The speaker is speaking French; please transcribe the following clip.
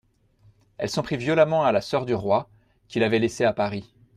Elle s'en prit violemment à la soeur du roi, qu'il avait laissée à Paris.